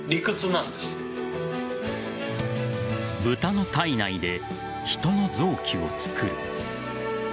ブタの体内でヒトの臓器を作る。